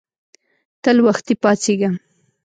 تل وختي پاڅیږه